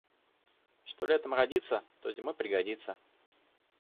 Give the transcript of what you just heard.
Что летом родится, то зимой пригодится.